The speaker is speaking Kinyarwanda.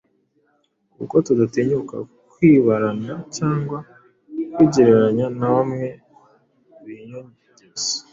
Kuko tudatinyuka kwibarana cyangwa kwigereranya na bamwe biyogeza